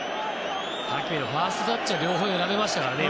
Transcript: ファーストタッチは両方選べましたからね。